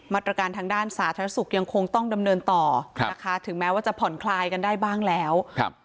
ทางด้านสาธารณสุขยังคงต้องดำเนินต่อนะคะถึงแม้ว่าจะผ่อนคลายกันได้บ้างแล้วครับ